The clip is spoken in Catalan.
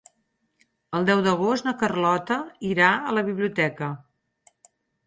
El deu d'agost na Carlota irà a la biblioteca.